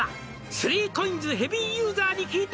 「３ＣＯＩＮＳヘビーユーザーに聞いた」